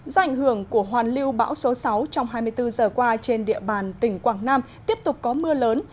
do ảnh hưởng của hoàn lưu bão số sáu trong hai mươi bốn giờ qua trên địa bàn tỉnh quảng nam tiếp tục có mưa lớn